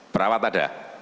ibu perawat ada